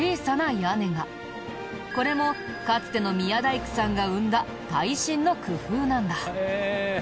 これもかつての宮大工さんが生んだ耐震の工夫なんだ。